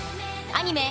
アニメ